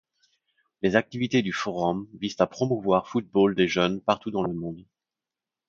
Les activités du Forum visent à promouvoir football des jeunes partout dans le monde.